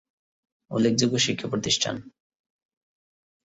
উল্লেখযোগ্য শিক্ষাপ্রতিষ্ঠান